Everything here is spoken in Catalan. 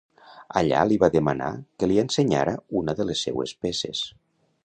Allà li va demanar que li ensenyara una de les seues peces.